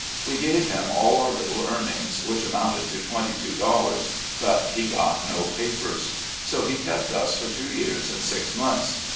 We gave him all our little earnings, which amounted to twenty two dollars, but he got 26 SLAVE CABIN TO PULPIT. no papers. So he kept us for two years and six months.